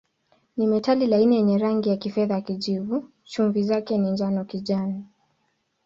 Ni metali laini yenye rangi ya kifedha-kijivu, chumvi zake ni njano-kijani.